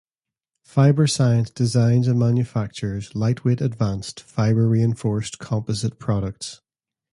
Fiber Science designs and manufactures lightweight advanced fiber-reinforced composite products.